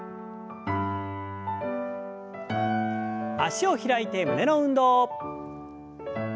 脚を開いて胸の運動。